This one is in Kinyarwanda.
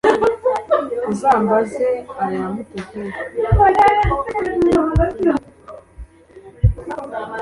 Uzambaze aya Muteri